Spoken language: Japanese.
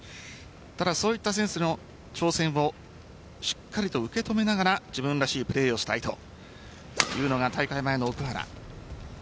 ただ、そういった選手の挑戦をしっかりと受け止めながら自分らしいプレーをしたいというのが大会前の奥原。